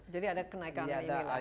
jadi ada kenaikan ini lah